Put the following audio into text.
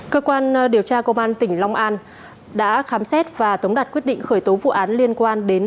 cơ quan điều tra công an tỉnh long an đã khám xét và tống đặt quyết định khởi tố vụ án liên quan đến